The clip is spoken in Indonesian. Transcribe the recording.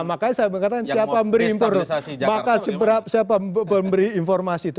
makanya saya berkata siapa memberi informasi itu